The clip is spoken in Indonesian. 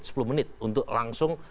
sepuluh menit untuk langsung